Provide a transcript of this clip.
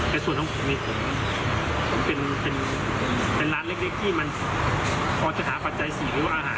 ก็คิดว่ามันควรได้ได้